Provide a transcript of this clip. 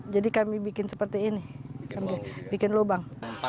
jadi kami bikin seperti ini bikin lubang